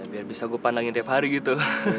biar bisa gue pandangin tiap hari gitu